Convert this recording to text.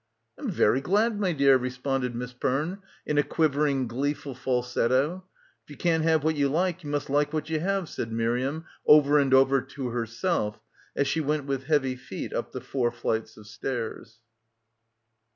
"I'm very glad, my dear," responded Miss Perne in a quivering gleeful falsetto. If you can't have what you like you must like what you have/ said Miriam over and over to herself as she went with heavy feet up the four flights of stairs.